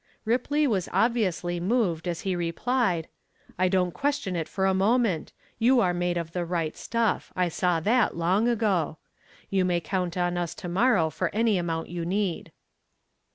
Ripley was obviously moved as he replied, "I don't question it for a moment. You are made of the right stuff. I saw that long ago. You may count on us to morrow for any amount you need."